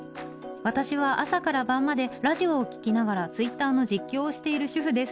「私は朝から晩までラジオを聴きながらＴｗｉｔｔｅｒの実況をしている主婦です。